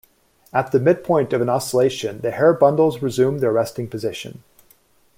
At the midpoint of an oscillation the hair bundles resume their resting position.